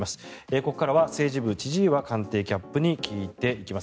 ここからは政治部千々岩官邸キャップに聞いていきます。